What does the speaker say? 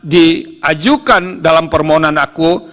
diajukan dalam permohonan aku